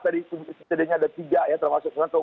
tadi sejadinya ada tiga ya termasuk satu